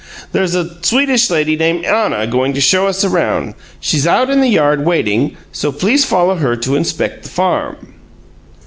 There's a Swedish lady named Anna going to show us around. She's out in the yard waiting, so please follow her to inspect the farm."